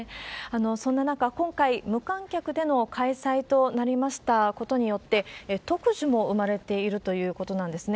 そんな中、今回、無観客での開催となりましたことによって、特需も生まれているということなんですね。